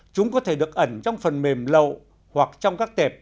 chúng có thể được ẩn trong phần mềm lậu hoặc trong các tệp